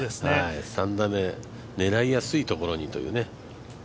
３打目、狙いやすいところにというね。